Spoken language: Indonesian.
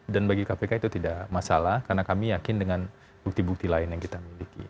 dan bagi kpk itu tidak masalah karena kami yakin dengan bukti bukti lain yang kita miliki